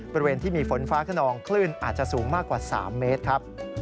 บริเวณที่มีฝนฟ้าขนองคลื่นอาจจะสูงมากกว่า๓เมตรครับ